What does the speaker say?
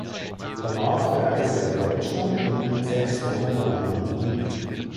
Danach bereiste er Deutschland und blieb sechs Monate lang in Wien.